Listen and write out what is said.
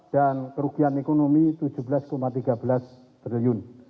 dan kerugian ekonomi tujuh belas tiga belas triliun